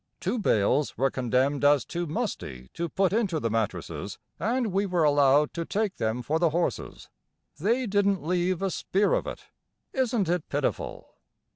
Two bales were condemned as too musty to put into the mattresses, and we were allowed to take them for the horses. They didn't leave a spear of it. Isn't it pitiful?